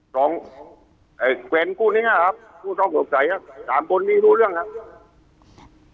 สองเวรผู้นี้น่ะครับผู้ต้องสงสัยสามคนนี้รู้เรื่องครับ